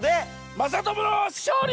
まさとものしょうり！